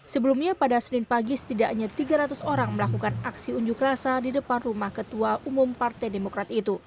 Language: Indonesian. sebelumnya pada senin pagi setidaknya tiga ratus orang melakukan aksi unjuk rasa di depan rumah ketua umum partai demokrat itu